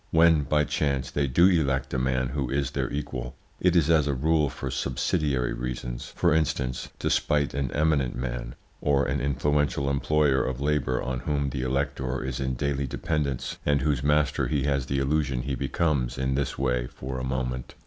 When, by chance, they do elect a man who is their equal, it is as a rule for subsidiary reasons for instance, to spite an eminent man, or an influential employer of labour on whom the elector is in daily dependence, and whose master he has the illusion he becomes in this way for a moment.